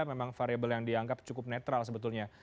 memang variable yang dianggap cukup netral sebetulnya